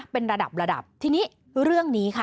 เป็นระดับระดับทีนี้เรื่องนี้ค่ะ